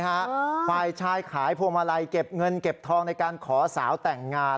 ฝ่ายชายขายพวงมาลัยเก็บเงินเก็บทองในการขอสาวแต่งงาน